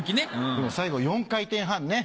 でも最後４回転半ね。